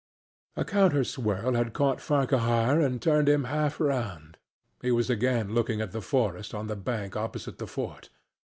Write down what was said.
A counter swirl had caught Farquhar and turned him half round; he was again looking into the forest on the bank opposite the fort.